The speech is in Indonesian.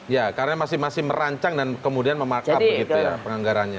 ya karena masih masih merancang dan kemudian memarkup begitu ya penganggarannya